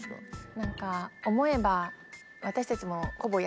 何か思えば。